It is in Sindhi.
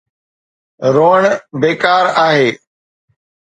روئڻ بيڪار آهي.